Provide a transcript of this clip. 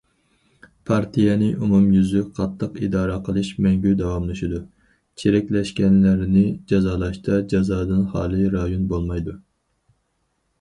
پارتىيەنى ئومۇميۈزلۈك قاتتىق ئىدارە قىلىش مەڭگۈ داۋاملىشىدۇ، چىرىكلەشكەنلەرنى جازالاشتا جازادىن خالىي رايون بولمايدۇ.